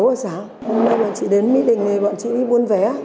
hôm nay bọn chị đến mỹ đình thì bọn chị đi buôn vé